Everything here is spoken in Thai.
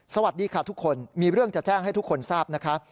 สวัสดีค่ะทุกคนมีเรื่องจะแจ้งให้ทุกคนทราบนะคะ